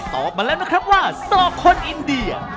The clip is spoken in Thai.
ตอบมาแล้วนะครับว่าสอกคนอินเดีย